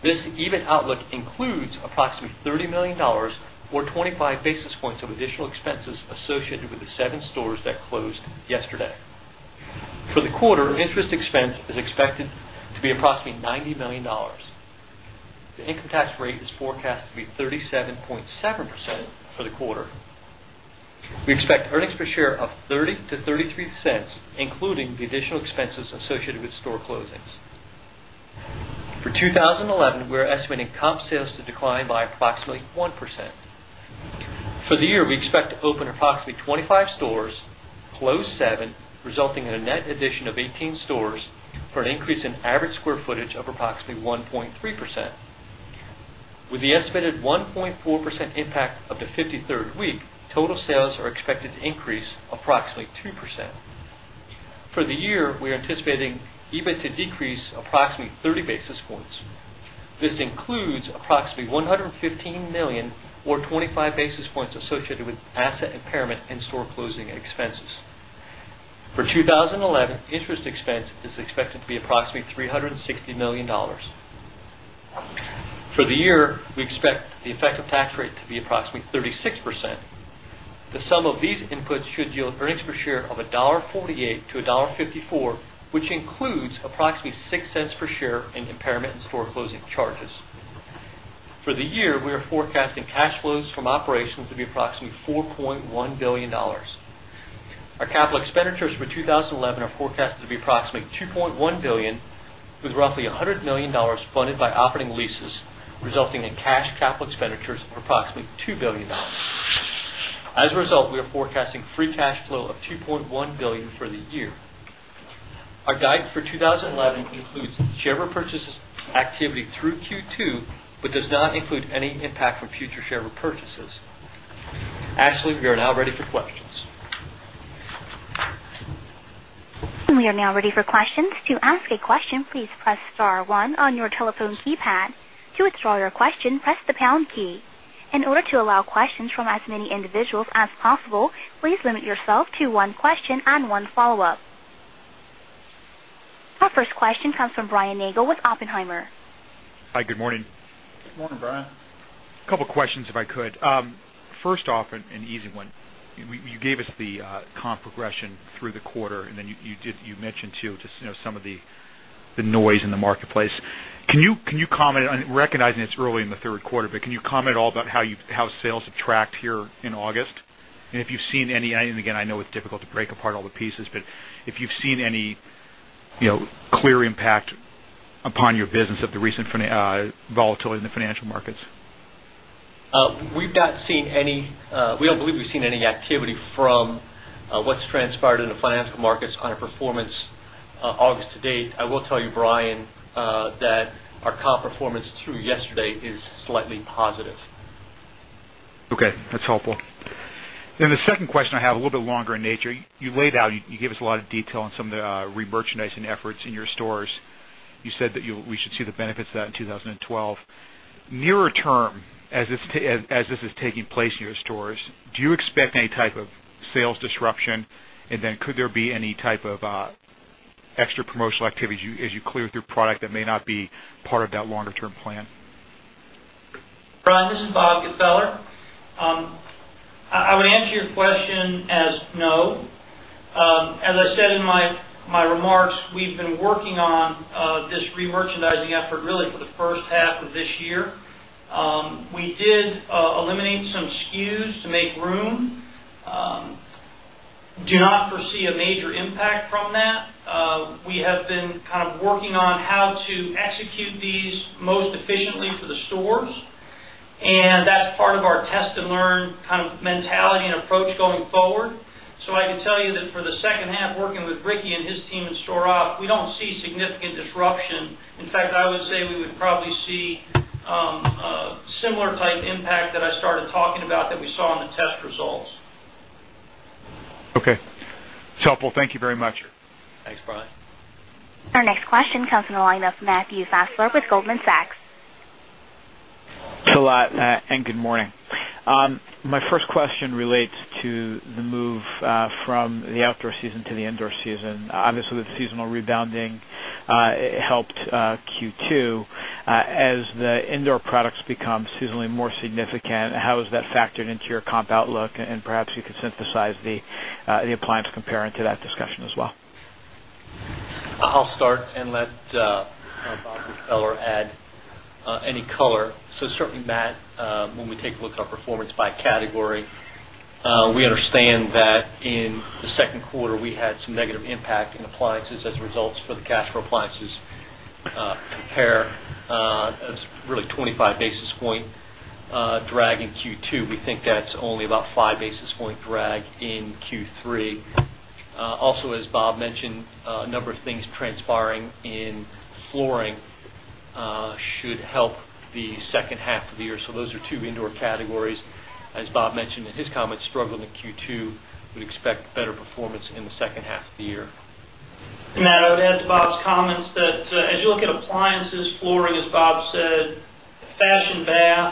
This EBIT outlook includes approximately $30 million, or 25 basis points of additional expenses associated with the seven stores that closed yesterday. For the quarter, interest expense is expected to be approximately $90 million. The income tax rate is forecast to be 37.7% for the quarter. We expect earnings per share of $0.30-$0.33, including the additional expenses associated with store closings. For 2011, we are estimating comp sales to decline by approximately 1%. For the year, we expect to open approximately 25 stores, close 7, resulting in a net addition of 18 stores for an increase in average square footage of approximately 1.3%. With the estimated 1.4% impact of the 53rd week, total sales are expected to increase approximately 2%. For the year, we are anticipating EBIT to decrease approximately 30 basis points. This includes approximately $115 million, or 25 basis points associated with asset impairment and store closing expenses. For 2011, interest expense is expected to be approximately $360 million. For the year, we expect the effective tax rate to be approximately 36%. The sum of these inputs should yield earnings per share of $1.48-$1.54, which includes approximately $0.06 per share in impairment and store closing charges. For the year, we are forecasting cash flows from operations to be approximately $4.1 billion. Our capital expenditures for 2011 are forecasted to be approximately $2.1 billion, with roughly $100 million funded by operating leases, resulting in cash capital expenditures of approximately $2 billion. As a result, we are forecasting free cash flow of $2.1 billion for the year. Our guide for 2011 includes share repurchases activity through Q2 but does not include any impact from future share repurchases. Actually, we are now ready for questions. We are now ready for questions. To ask a question, please press star one on your telephone keypad. To withdraw your question, press the pound key. In order to allow questions from as many individuals as possible, please limit yourself to one question and one follow-up. Our first question comes from Brian Nagel with Oppenheimer. Hi, good morning. Morning, Brian. A couple of questions if I could. First off, an easy one. You gave us the comp progression through the quarter, and then you mentioned too some of the noise in the marketplace. Can you comment on, recognizing it's early in the third quarter, but can you comment at all about how sales have tracked here in August? If you've seen any, I know it's difficult to break apart all the pieces, but if you've seen any clear impact upon your business of the recent volatility in the financial markets? We've not seen any, we don't believe we've seen any activity from what's transpired in the financial markets on our performance August to date. I will tell you, Brian, that our comp performance through yesterday is slightly positive. Okay, that's helpful. The second question I have is a little bit longer in nature. You laid out, you gave us a lot of detail on some of the remerchandising efforts in your stores. You said that we should see the benefits of that in 2012. Nearer term, as this is taking place in your stores, do you expect any type of sales disruption? Could there be any type of extra promotional activities as you clear through product that may not be part of that longer-term plan? Brian, this is Bob Gfeller. I would answer your question as no. As I said in my remarks, we've been working on this remerchandising effort really for the first half of this year. We did eliminate some SKUs to make room. I do not foresee a major impact from that. We have been working on how to execute these most efficiently for the stores, and that is part of our test-and-learn kind of mentality and approach going forward. I can tell you that for the second half, working with Ricky and his team in store operations, we don't see significant disruption. In fact, I would say we would probably see a similar type impact that I started talking about that we saw in the test results. Okay, it's helpful. Thank you very much. Thanks, Brian. Our next question comes from the line of Matthew Fassler with Goldman Sachs. Thanks a lot, and good morning. My first question relates to the move from the outdoor season to the indoor season. Obviously, the seasonal rebounding helped Q2. As the indoor products become seasonally more significant, how has that factored into your comp outlook? Perhaps you could synthesize the appliance comparison to that discussion as well. I'll start and let Bob Gfeller add any color. Certainly, Matt, when we take a look at our performance by category, we understand that in the second quarter, we had some negative impact in appliances as a result of the Cash for Appliances pair, a really 25 basis point drag in Q2. We think that's only about a 5 basis point drag in Q3. Also, as Bob mentioned, a number of things transpiring in flooring should help the second half of the year. Those are two indoor categories. As Bob mentioned in his comments, struggling in Q2, we'd expect better performance in the second half of the year. I would add to Bob's comments that as you look at appliances, flooring, as Bob said, the fashion bath,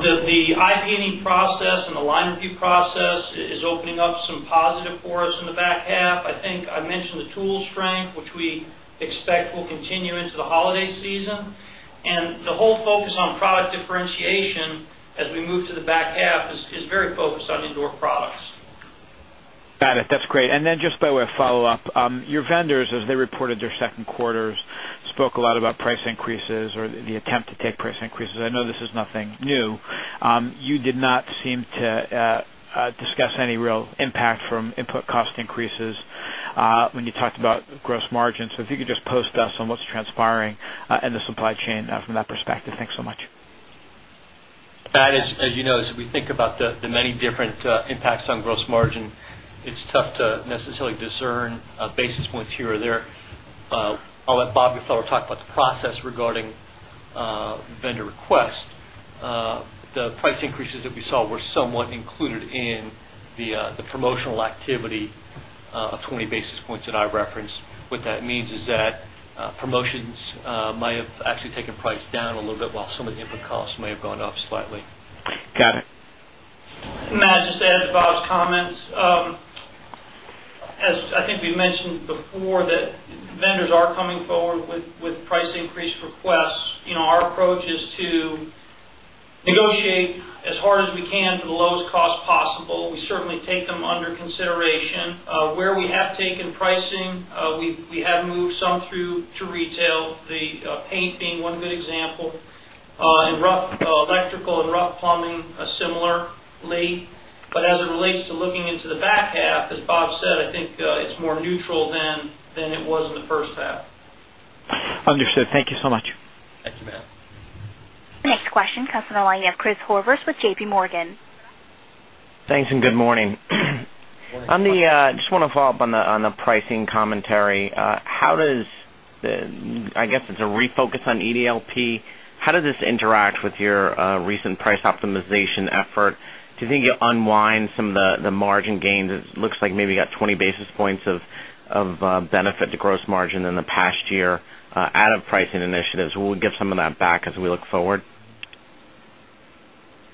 the IP&E process and the line review process is opening up some positive for us in the back half. I think I mentioned the tool strength, which we expect will continue into the holiday season. The whole focus on product differentiation as we move to the back half is very focused on indoor products. Got it. That's great. Just by way of follow-up, your vendors, as they reported their second quarters, spoke a lot about price increases or the attempt to take price increases. I know this is nothing new. You did not seem to discuss any real impact from input cost increases when you talked about gross margins. If you could just post us on what's transpiring in the supply chain from that perspective. Thanks so much. As you know, as we think about the many different impacts on gross margin, it's tough to necessarily discern basis points here or there. I'll let Bob Gfeller talk about the process regarding vendor request. The price increases that we saw were somewhat included in the promotional activity of 20 basis points that I referenced. What that means is that promotions might have actually taken price down a little bit, while some of the input costs may have gone up slightly. Got it. I'd just add to Bob's comments. As I think we've mentioned before, vendors are coming forward with price increase requests. Our approach is to negotiate as hard as we can to the lowest cost possible. We certainly take them under consideration. Where we have taken pricing, we have moved some through to retail, the paint being one good example. In rough electrical and rough plumbing, a similar leap. As it relates to looking into the back half, as Bob said, I think it's more neutral than it was in the first half. Understood. Thank you so much. Thank you, Matt. Next question comes from the line of Christopher Horvers with JP Morgan. Thanks, and good morning. I just want to follow up on the pricing commentary. How does the, I guess it's a refocus on EDLP? How does this interact with your recent price optimization effort? Do you think you'll unwind some of the margin gains? It looks like maybe you got 20 basis points of benefit to gross margin in the past year out of pricing initiatives. Will we get some of that back as we look forward?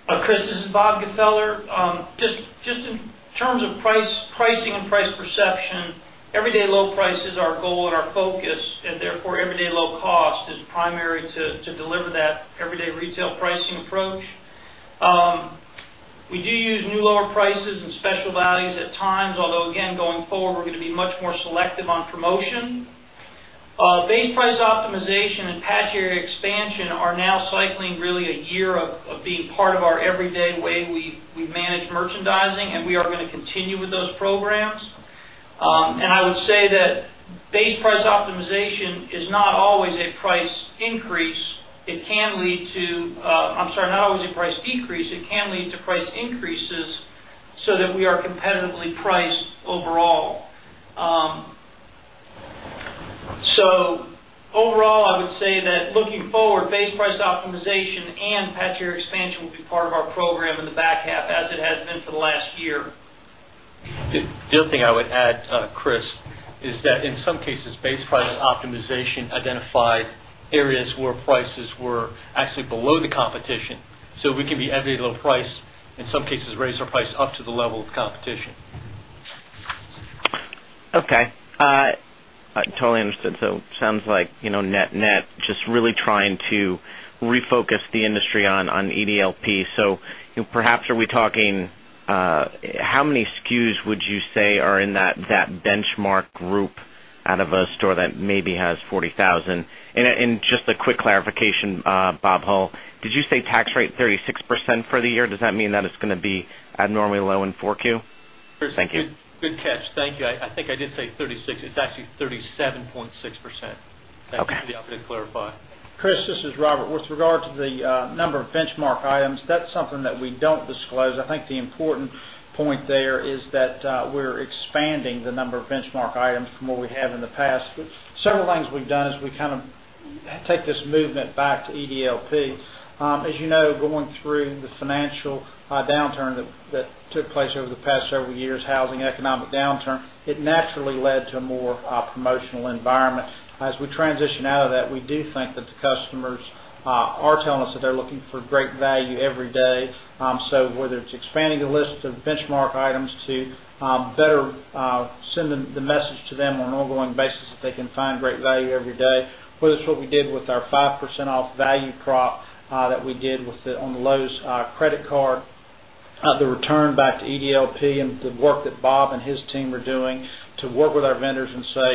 Chris, this is Bob Gfeller. Just in terms of pricing and price perception, everyday low price is our goal and our focus, and therefore everyday low cost is primary to deliver that everyday retail pricing approach. We do use new lower prices and special values at times, although, going forward, we're going to be much more selective on promotion. Base price optimization and patch area expansion are now cycling really a year of being part of our everyday way we manage merchandising, and we are going to continue with those programs. I would say that base price optimization is not always a price decrease. It can lead to price increases so that we are competitively priced overall. Overall, I would say that looking forward, base price optimization and patch area expansion will be part of our program in the back half as it has been for the last year. The other thing I would add, Chris, is that in some cases, base price optimization identified areas where prices were actually below the competition. We can be everyday low price, in some cases, raise our price up to the level of competition. Okay. Totally understood. It sounds like, you know, net net just really trying to refocus the industry on EDLP. Perhaps are we talking, how many SKUs would you say are in that benchmark group out of a store that maybe has 40,000? Just a quick clarification, Bob Hull, did you say tax rate 36% for the year? Does that mean that it's going to be abnormally low in 4Q? Good catch. Thank you. I think I did say 36. It's actually 37.6%. Thank you for the opportunity to clarify. Chris, this is Robert. With regard to the number of benchmark items, that's something that we don't disclose. I think the important point there is that we're expanding the number of benchmark items from what we have in the past. Several things we've done is we kind of take this movement back to EDLP. As you know, going through the financial downturn that took place over the past several years, housing economic downturn, it naturally led to a more promotional environment. As we transition out of that, we do think that the customers are telling us that they're looking for great value every day. Whether it's expanding the list of benchmark items to better send the message to them on an ongoing basis that they can find great value every day, or that's what we did with our 5% off value prop that we did on the Lowe's credit card. The return back to EDLP and the work that Bob and his team are doing to work with our vendors and say,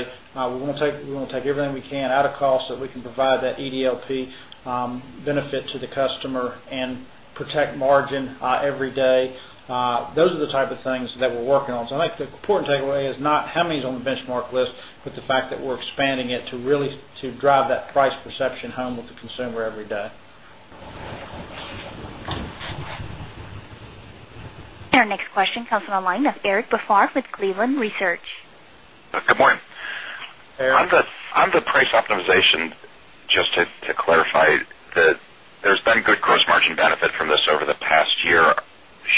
"We want to take everything we can out of cost so that we can provide that EDLP benefit to the customer and protect margin every day." Those are the type of things that we're working on. I think the important takeaway is not how many is on the benchmark list, but the fact that we're expanding it to really drive that price perception home with the consumer every day. Our next question comes from the line of Eric Baosshard with Cleveland Research. Good morning. On the price optimization, just to clarify that there's been good gross margin benefit from this over the past year.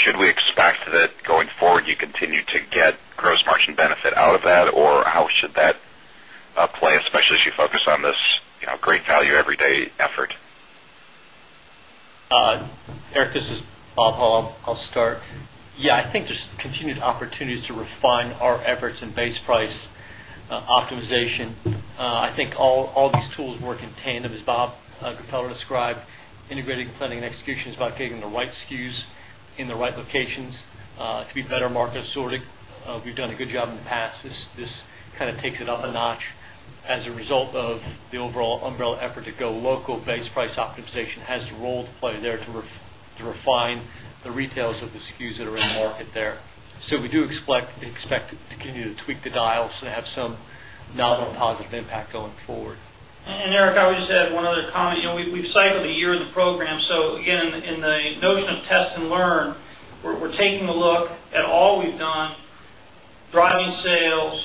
Should we expect that going forward you continue to get gross margin benefit out of that, or how should that play, especially as you focus on this great value every day effort? Eric, this is Bob Hull. I'll start. I think there's continued opportunities to refine our efforts in base price optimization. I think all these tools work in tandem, as Bob Gfeller described. Integrated Planning and Execution is about getting the right SKUs in the right locations to be better market assorted. We've done a good job in the past. This kind of takes it up a notch. As a result of the overall umbrella effort to go local, base price optimization has a role to play there to refine the retails of the SKUs that are in the market there. We do expect to continue to tweak the dial to have some novel positive impact going forward. Eric, I would just add one other comment. We've cycled a year in the program. In the notion of test and learn, we're taking a look at all we've done, driving sales,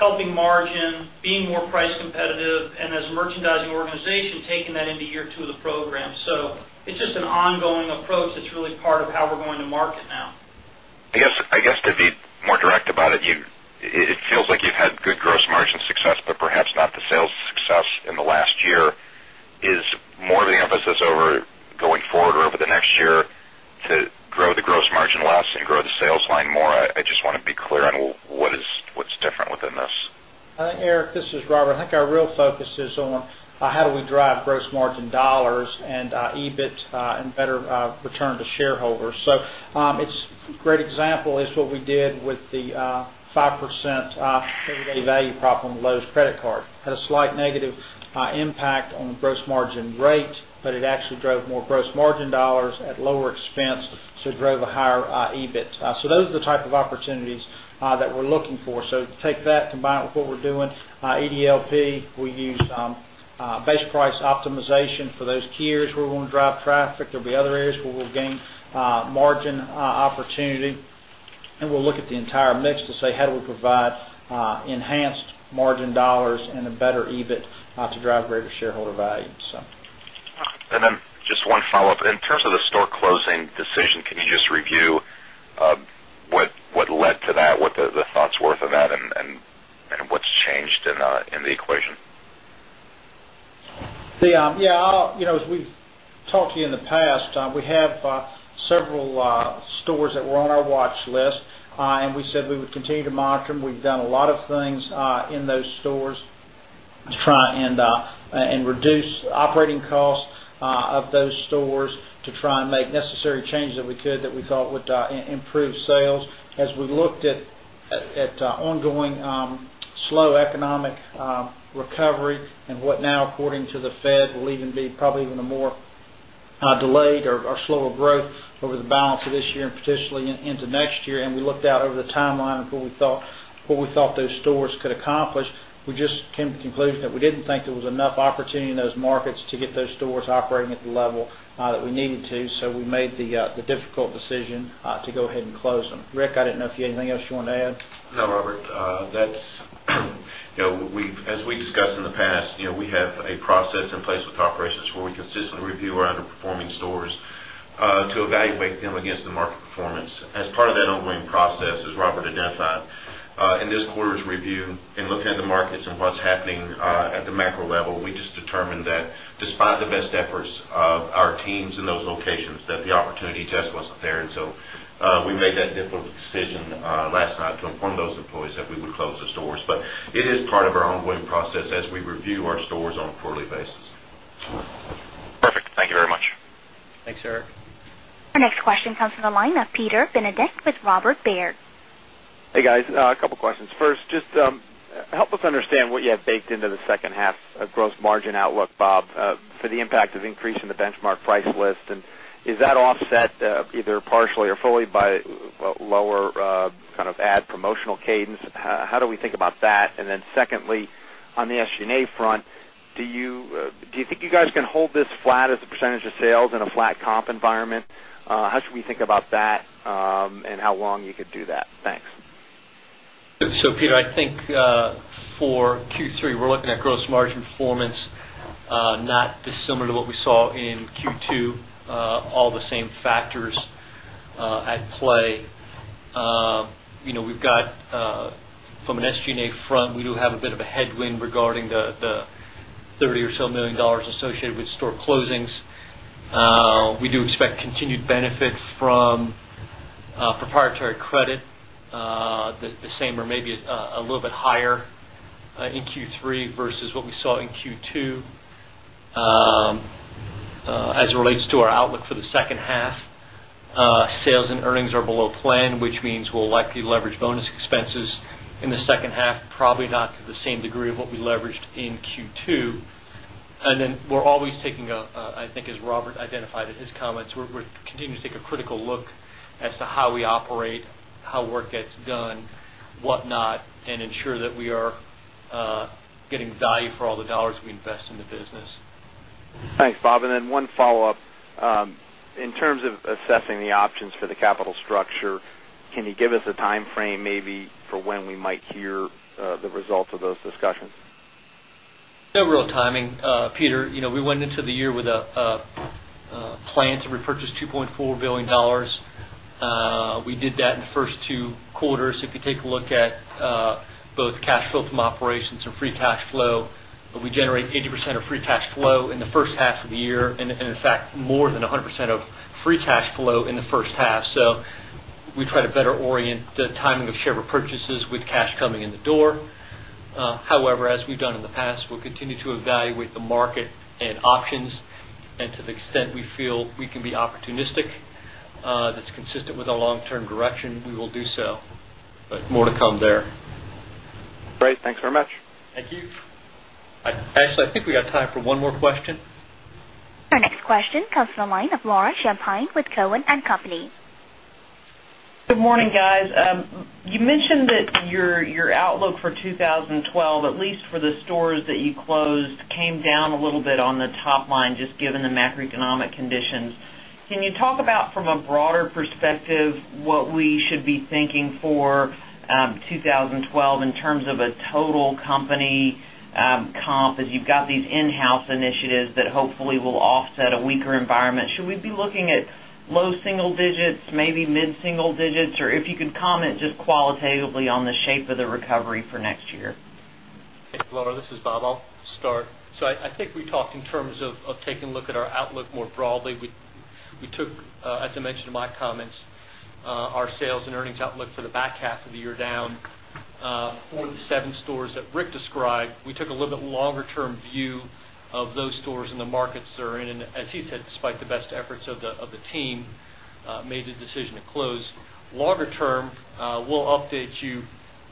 helping margin, being more price competitive, and as a merchandising organization, taking that into year two of the program. It's just an ongoing approach that's really part of how we're going to market now. I guess to be more direct about it, it feels like you've had good gross margin success, but perhaps not the sales success in the last year. Is more of the emphasis going forward or over the next year to grow the gross margin less and grow the sales line more? I just want to be clear on what's different within this. Eric, this is Robert. I think our real focus is on how do we drive gross margin dollars and EBIT and better return to shareholders. A great example is what we did with the 5% everyday value prop on Lowe's credit card. It had a slight negative impact on the gross margin rate, but it actually drove more gross margin dollars at lower expense, so it drove a higher EBIT. Those are the type of opportunities that we're looking for. Take that, combine it with what we're doing. EDLP, we use base price optimization for those tiers where we want to drive traffic. There will be other areas where we'll gain margin opportunity, and we'll look at the entire mix to say how do we provide enhanced margin dollars and a better EBIT to drive greater shareholder value. In terms of the store closing decision, can you just review what led to that, what the thought was for that, and what's changed in the equation? Yeah, you know, as we've talked to you in the past, we have several stores that were on our watch list, and we said we would continue to monitor them. We've done a lot of things in those stores to try and reduce operating costs of those stores to try and make necessary changes that we could that we thought would improve sales. As we looked at ongoing slow economic recovery and what now, according to the Fed, will even be probably even a more delayed or slower growth over the balance of this year and potentially into next year, and we looked out over the timeline of what we thought those stores could accomplish, we just came to the conclusion that we didn't think there was enough opportunity in those markets to get those stores operating at the level that we needed to. We made the difficult decision to go ahead and close them. Rick, I didn't know if you had anything else you wanted to add. No, Robert. As we discussed in the past, you know, we have a process in place with Operations where we consistently review our underperforming stores to evaluate them against the market performance. As part of that ongoing process, as Robert identified, in this quarter's review and looking at the markets and what's happening at the macro level, we just determined that despite the best efforts of our teams in those locations, the opportunity just wasn't there. We made that difficult decision last night to inform those employees that we would close the stores. It is part of our ongoing process as we review our stores on a quarterly basis. Perfect. Thank you very much. Thanks, Eric. Our next question comes from the line of Peter Benedict with Robert Baird. Hey, guys. A couple of questions. First, just help us understand what you have baked into the second half gross margin outlook, Bob, for the impact of increasing the benchmark price list. Is that offset either partially or fully by lower kind of ad promotional cadence? How do we think about that? Secondly, on the SG&A front, do you think you guys can hold this flat as a percentage of sales in a flat comp environment? How should we think about that and how long you could do that? Thanks. Peter, I think for Q3, we're looking at gross margin performance, not dissimilar to what we saw in Q2. All the same factors at play. We've got from an SG&A front, we do have a bit of a headwind regarding the $30 million or so associated with store closings. We do expect continued benefit from proprietary credit, the same or maybe a little bit higher in Q3 versus what we saw in Q2 as it relates to our outlook for the second half. Sales and earnings are below plan, which means we'll likely leverage bonus expenses in the second half, probably not to the same degree of what we leveraged in Q2. We're always taking a, I think, as Robert identified in his comments, we're continuing to take a critical look as to how we operate, how work gets done, whatnot, and ensure that we are getting value for all the dollars we invest in the business. Thanks, Bob. One follow-up. In terms of assessing the options for the capital structure, can you give us a timeframe for when we might hear the results of those discussions? No real timing, Peter. You know, we went into the year with a plan to repurchase $2.4 billion. We did that in the first two quarters. If you take a look at both cash flow from operations and free cash flow, we generate 80% of free cash flow in the first half of the year, and in fact, more than 100% of free cash flow in the first half. We try to better orient the timing of share repurchases with cash coming in the door. However, as we've done in the past, we'll continue to evaluate the market and options, and to the extent we feel we can be opportunistic that's consistent with our long-term direction, we will do so. More to come there. Great, thanks very much. Thank you. Actually, I think we have time for one more question. Our next question comes from the line of Laura Chapine with Cowen & Company. Good morning, guys. You mentioned that your outlook for 2012, at least for the stores that you closed, came down a little bit on the top line, just given the macroeconomic conditions. Can you talk about from a broader perspective what we should be thinking for 2012 in terms of a total company comp as you've got these in-house initiatives that hopefully will offset a weaker environment? Should we be looking at low single digits, maybe mid-single digits, or if you could comment just qualitatively on the shape of the recovery for next year? Hey, Laura, this is Bob. I'll start. I think we talked in terms of taking a look at our outlook more broadly. We took, as I mentioned in my comments, our sales and earnings outlook for the back half of the year down. For the seven stores that Rick described, we took a little bit longer-term view of those stores and the markets they're in, and as he said, despite the best efforts of the team, made the decision to close. Longer term, we'll update you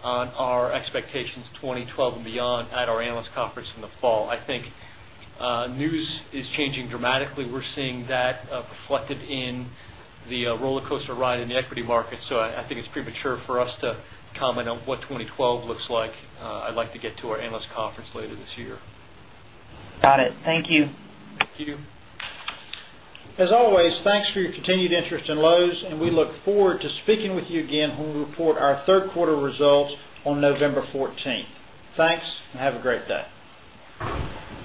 on our expectations 2012 and beyond at our analyst conference in the fall. News is changing dramatically. We're seeing that reflected in the roller coaster ride in the equity market. I think it's premature for us to comment on what 2012 looks like. I'd like to get to our analyst conference later this year. Got it. Thank you. Thank you, too. As always, thanks for your continued interest in Lowe's, and we look forward to speaking with you again when we report our third quarter results on November 14. Thanks, and have a great day.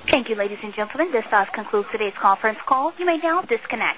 Thank you, ladies and gentlemen. This does conclude today's conference call. You may now disconnect.